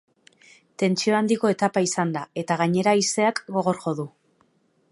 Tentsio handiko etapa izan da eta gainera haizeak gogor jo du.